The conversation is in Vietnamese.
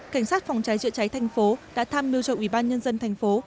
cảnh sát phòng cháy chữa cháy thành phố đã tham mưu cho ủy ban nhân dân thành phố